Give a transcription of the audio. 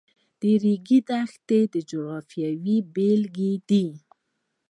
د ریګ دښتې د جغرافیې بېلګه ده.